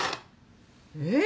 えっ？